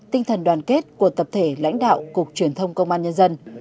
tinh thần đoàn kết của tập thể lãnh đạo cục truyền thông công an nhân dân